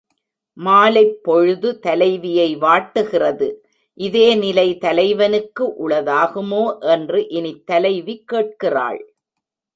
மாலைப் பொழுது தலைவியை வாட்டுகிறது இதே நிலை தலைவனுக்கு உளதாகுமோ என்று இனித் தலைவி கேட்கிறாள்.